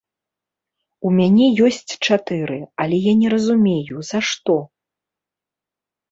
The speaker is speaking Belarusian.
У мяне ёсць чатыры, але я не разумею, за што.